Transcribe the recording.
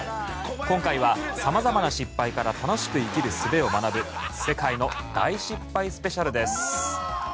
今回は様々な失敗から楽しく生きるすべを学ぶ世界の大失敗スペシャルです。